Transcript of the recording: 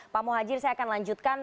pak muhajir saya akan lanjutkan